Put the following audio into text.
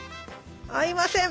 合いません。